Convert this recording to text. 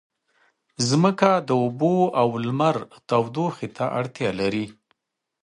ځمکه د اوبو او لمر تودوخې ته اړتیا لري.